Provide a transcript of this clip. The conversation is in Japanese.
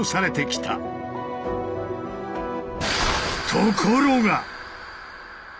ところが！